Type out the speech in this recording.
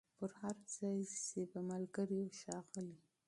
پر هر ځای چي به ملګري وه ښاغلي